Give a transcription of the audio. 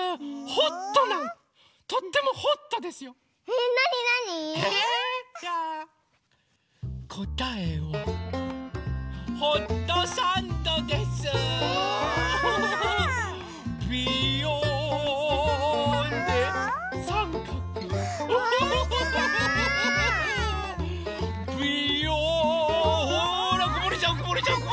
ほらこぼれちゃうこぼれちゃうこぼれちゃう！